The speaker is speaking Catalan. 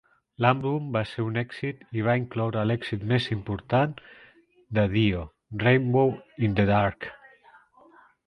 L'àlbum va ser un èxit i va incloure l'èxit més important de Dio, "Rainbow in the Dark".